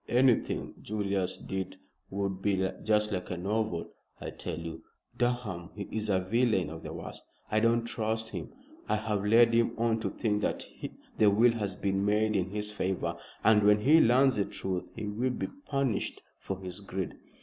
"Anything Julius did would be just like a novel. I tell you, Durham, he is a villain of the worst; I don't trust him. I have led him on to think that the will has been made in his favor; and when he learns the truth he will be punished for his greed."